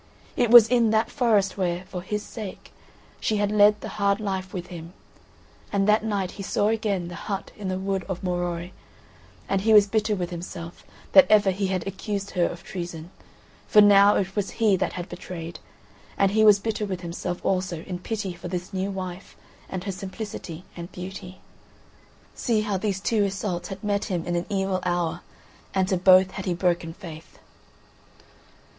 It was in that forest where, for his sake, she had led the hard life with him, and that night he saw again the hut in the wood of Morois, and he was bitter with himself that ever he had accused her of treason; for now it was he that had betrayed, and he was bitter with himself also in pity for this new wife and her simplicity and beauty. See how these two Iseults had met him in an evil hour, and to both had he broken faith!